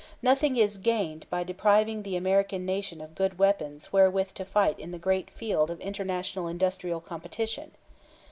Nothing is gained by depriving the American Nation of good weapons wherewith to fight in the great field of international industrial competition.